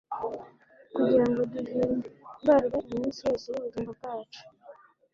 kugira ngo duhimbarwe iminsi yose y'ubugingo bwacu